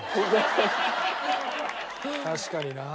確かにな。